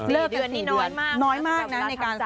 เลิกกัน๔เดือนน้อยมากนะสำหรับเวลาทำใจนะครับเลิกกัน๔เดือนนี่น้อยมากนะ